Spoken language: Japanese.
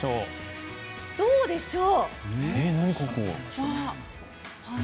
どうでしょう？